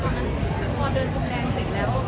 เพราะว่าเราก็เดินโรงแรงเสร็จแล้ว